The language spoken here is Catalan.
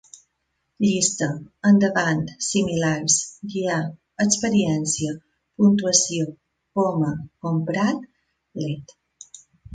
Llista: endavant, similars, guiar, experiència, puntuació, poma, comprat, led